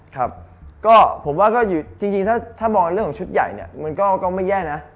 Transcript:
ถ้าบอกเรื่องของชุดใหญ่มันก็ไม่แย่นะ